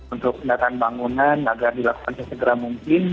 untuk pendataan bangunan agar dilakukan sesegera mungkin